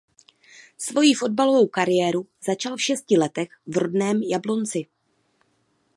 Svoji fotbalovou kariéru začal v šesti letech v rodném Jablonci.